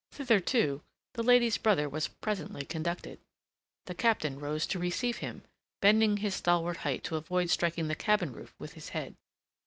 Thither, too, the lady's brother was presently conducted. The Captain rose to receive him, bending his stalwart height to avoid striking the cabin roof with his head.